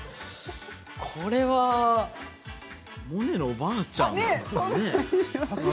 これはモネのおばあちゃん？